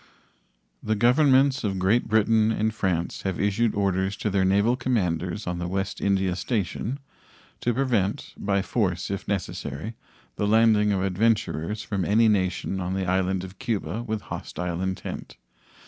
The Governments of Great Britain and France have issued orders to their naval commanders on the West India station to prevent, by force if necessary, the landing of adventurers from any nation on the island of Cuba with hostile intent.